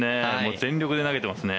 全力で投げてますね。